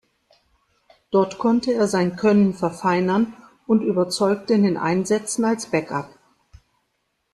Dort konnte er sein Können verfeinern und überzeugte in den Einsätzen als Backup.